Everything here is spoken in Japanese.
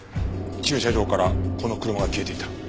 駐車場からこの車が消えていた。